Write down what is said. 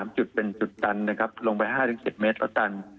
๓จุดเป็นจุดตันลงไป๕๗เมตรก็ตัน